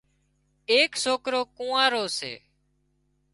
ايڪ سوڪرو ڪونئارو سي